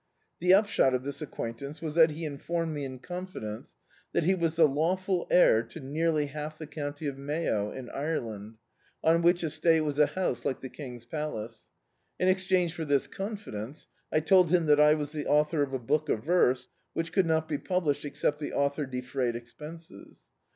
The upshot of this acquaintance was that he informed me in confidence that he was the lawful heir to nearly half the county of Mayo, in Ireland; on which es tate was a house like the King's palace. In ex change for this confidence I told him that I was the author of a book of verse, which could not be pub lished except the author defrayed expenses.